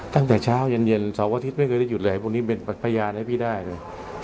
ตั้งแต่เช้าเย็นเสาร์อาทิตย์ไม่เคยได้หยุดเลยพวกนี้เป็นพยานให้พี่ได้เลย